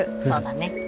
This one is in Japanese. そうだね